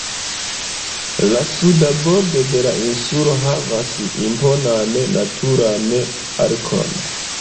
La suda bordo de la insulo havas imponan naturan arkon.